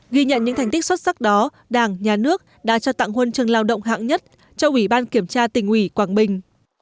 ghi nhận những thành tích xuất sắc đó đảng nhà nước đã cho tặng huân trường lao động hạng nhất cho quỳ ban kiểm tra tỉnh quảng bình